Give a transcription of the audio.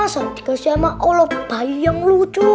sama sama oleh bayi yang lucu